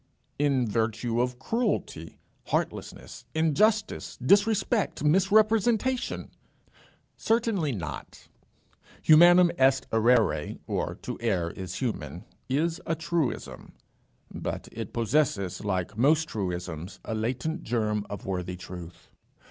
"In virtue of cruelty, heartlessness, injustice, disrespect, misrepresentation?" "Certainly not. Humanum est errare is a truism; but it possesses, like most truisms, a latent germ of worthy truth.